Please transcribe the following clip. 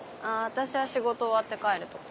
私は仕事終わって帰るところ。